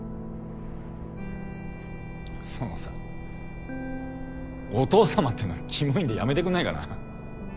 そのさお父さまってのキモいんでやめてくんないかな。